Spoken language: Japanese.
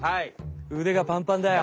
うでがパンパンだよ。